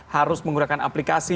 harus menggunakan aplikasi